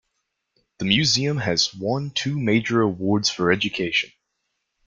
The museum has won two major awards for education.